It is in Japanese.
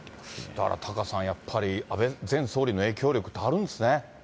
だからタカさん、やっぱり安倍前総理の影響力ってあるんですね。